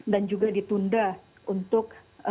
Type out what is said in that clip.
dan juga ditunda untuk